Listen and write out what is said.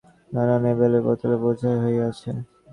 আলমারির তাকগুলি নানা আকারের নানা লেবেলের বোতলে বোঝাই হইয়া আছে।